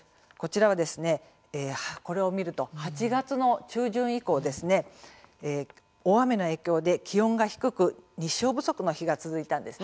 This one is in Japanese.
これを見ると８月の中旬以降大雨の影響で気温が低く日照不足の日が続いたんです。